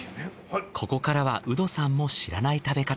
ここからはウドさんも知らない食べ方。